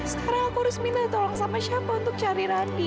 sekarang aku harus minta tolong sama siapa untuk cari randi